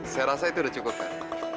saya rasa itu recuk kak